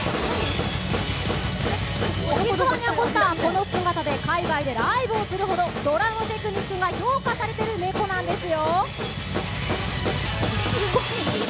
にゃんごすたー、この姿で海外でライブをするほどドラムテクニックが評価されている猫ねんですよ。